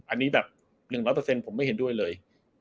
อันนี้แบบ๑๐๐ผมไม่เห็นด้วยเลย